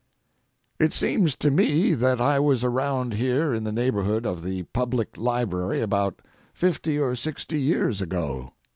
It seems to me that I was around here in the neighborhood of the Public Library about fifty or sixty years ago.